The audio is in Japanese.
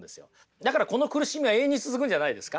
だからこの苦しみは永遠に続くんじゃないですか？